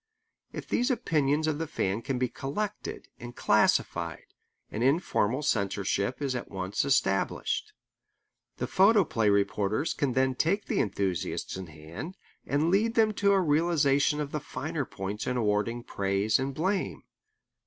If these opinions of the fan can be collected and classified, an informal censorship is at once established. The photoplay reporters can then take the enthusiasts in hand and lead them to a realization of the finer points in awarding praise and blame.